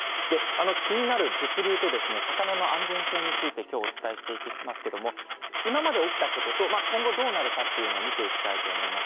気になる物流と魚の安全性についてきょう、お伝えしていきますけど今まで起きたことと今後どうなるかというのを見ていきたいと思います。